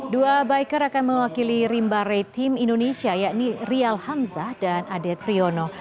dua biker akan mewakili rimba ray tim indonesia yakni rial hamzah dan adet friono